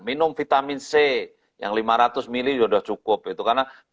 minum vitamin c yang lima ratus mili sudah cukup itu karena